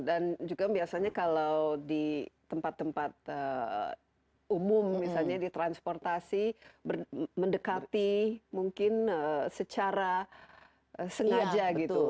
dan juga biasanya kalau di tempat tempat umum misalnya ditransportasi mendekati mungkin secara sengaja gitu